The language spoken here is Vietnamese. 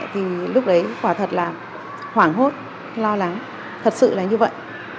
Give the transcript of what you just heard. thì lúc đấy quả thật là hoảng hốt lo lắng thật sự là như vậy